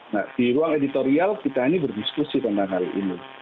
nah di ruang editorial kita ini berdiskusi tentang hal ini